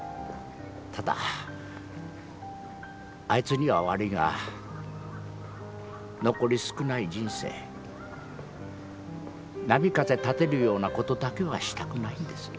ただあいつには悪いが残り少ない人生波風立てるようなことだけはしたくないんですよ。